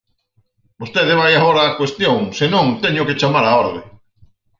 Vostede vaia agora á cuestión, se non, téñoo que chamar á orde.